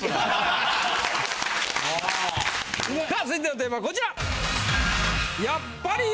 さあ続いてのテーマはこちら！